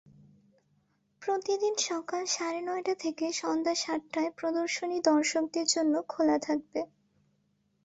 প্রতিদিন সকাল সাড়ে নয়টা থেকে সন্ধ্যা সাতটায় প্রদর্শনী দর্শকদের জন্য খোলা থাকবে।